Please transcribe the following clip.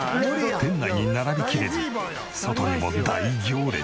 店内に並びきれず外にも大行列！